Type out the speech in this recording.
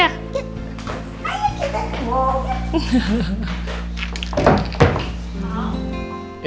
ayo kita ke bawah ya